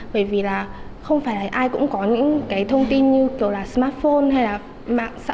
bởi vì là không phải là ai cũng có những cái thông tin như kiểu là smartphone hay là mạng xã hội để có thể học